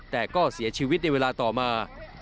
แต่ก็เสียชีวิตในเวลาต่อมา